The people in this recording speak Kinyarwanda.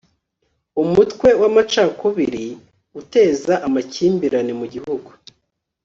umutwe w'amacakubiri uteza amakimbirane mu gihugu